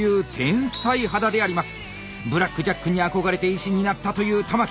ブラック・ジャックに憧れて医師になったという玉木。